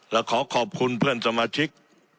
และขอขอบคุณเพื่อนสมาชิก